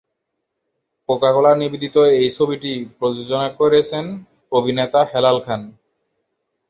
Coca-Cola নিবেদিত এই ছবিটি প্রযোজনা করেছেন অভিনেতা হেলাল খান।